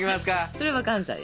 それは関西や。